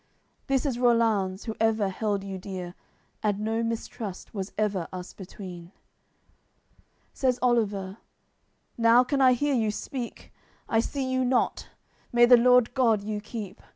This is Rollanz, who ever held you dear; And no mistrust was ever us between." Says Oliver: "Now can I hear you speak; I see you not: may the Lord God you keep!